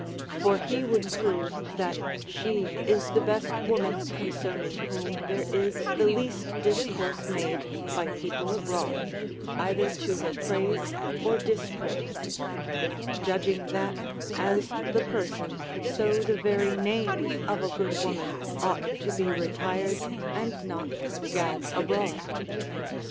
For he wonld prove that she is the best woman concerning whom there is the least discourse made by people abroad, either to her praise or dispraise ; judging that, as the person, so the very name of a good Avoman ought to be retired and not gad abroad.